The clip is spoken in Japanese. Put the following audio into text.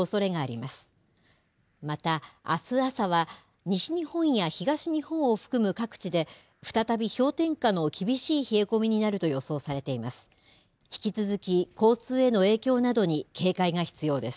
また、あす朝は西日本や東日本を含む各地で、再び氷点下の厳しい冷え込みになると予想されています。